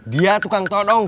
dia tukang todong